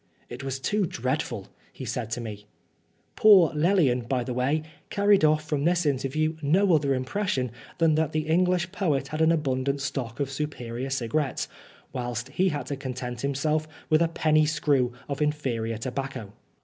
" It was too dreadful," he said to me. Poor Lelian, by the way, carried off from this interview no other impression than that the English poet had an abundant stock of superior cigarettes, whilst he had to content himself with a penny screw of inferior tobacco.